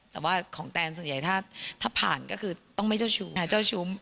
แต่ว่าของแตนส่วนใหญ่ถ้าผ่านก็คือต้องไม่เจ้าชู้เจ้าชู้